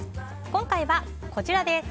今回はこちらです。